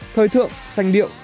thời thượng sanh điệu